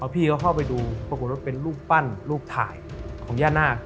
พี่เขาเข้าไปดูปรากฎรถเป็นรูปปั้นรูปถ่ายของย่านหน้า